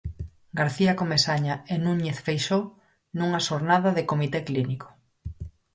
García Comesaña e Núñez Feixóo nunha xornada de comité clínico.